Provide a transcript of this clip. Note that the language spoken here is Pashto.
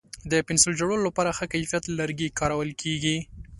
د پنسل جوړولو لپاره ښه کیفیت لرګی کارول کېږي.